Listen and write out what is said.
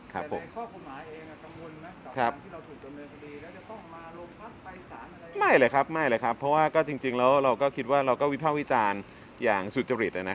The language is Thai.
แต่ในข้อคุณหลายเองกังวลนะเราก็คิดว่าเราก็วิภาควิจารณ์อย่างสุดจริต